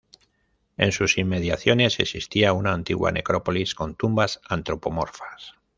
En sus inmediaciones existía una antigua necrópolis con tumbas antropomorfas.